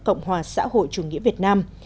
cộng hòa xã hội chủ nghĩa việt nam